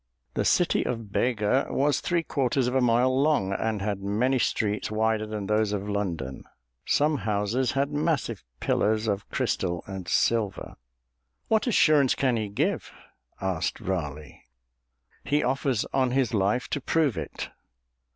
The city of Bega was three quarters of a mile long and had many streets wider than those of London. Some houses had massive pillars of crystal and silver." "What assurance can he give?" asked Raleigh. "He offers on his life to prove it."